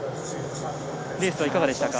レースはいかがでしたか。